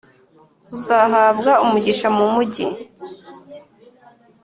“Uzahabwa umugisha mu mugi,